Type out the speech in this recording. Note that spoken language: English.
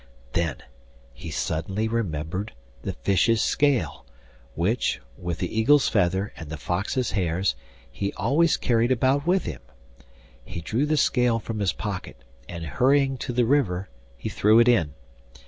Then he suddenly remembered the fish's scale, which, with the eagle's feather and the fox's hairs, he always carried about with him. He drew the scale from his pocket, and hurrying to the river he threw it in.